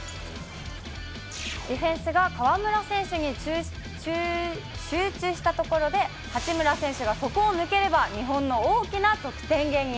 ディフェンスが河村選手に集中したところで、八村選手がそこを抜ければ、日本の大きな得点源に。